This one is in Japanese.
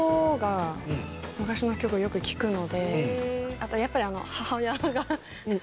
あとやっぱり。